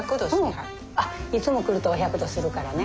いつも来るとお百度するからね。